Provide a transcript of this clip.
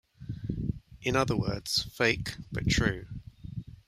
In other words, fake but true.